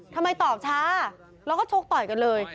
ทำไมตอบช้าแล้วก็ชกต่อยกันเลย